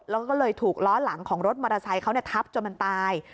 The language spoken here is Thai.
แล้วก็เลยถูกล้อหลังของรถมอเตอร์ไซค์เขาทับจนมันตาย